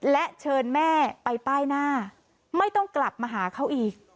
และเชิญแม่ไปป้ายหน้าไม่ต้องกลับมาหาเขาอีก